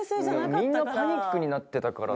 みんなパニックになってたから。